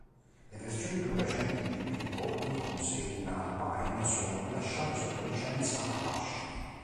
Le versioni più recenti di Pico incluse in Alpine sono rilasciate sotto licenza Apache.